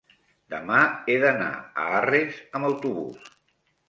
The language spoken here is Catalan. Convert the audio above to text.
demà he d'anar a Arres amb autobús.